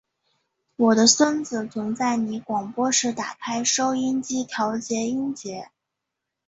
我的孙子总在你广播时打开收音机调整音节。